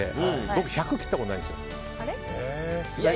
僕１００切ったことないんですよ。